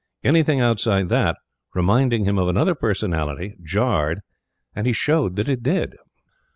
Anything outside that, reminding him of another personality jarred, and he showed that it did.